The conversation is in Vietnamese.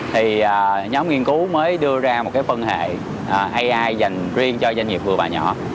thì nhóm nghiên cứu mới đưa ra một cái phân hệ ai dành riêng cho doanh nghiệp vừa và nhỏ